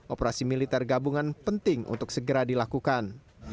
operasi militer gabungan penting untuk segera dilakukan